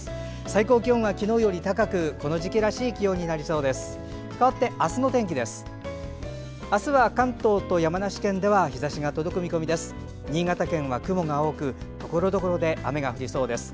最高気温は昨日より高くこの時期らしい気温になりそうです。